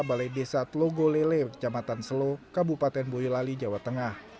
balai desa tlogolele jematan selu kabupaten boyolali jawa tengah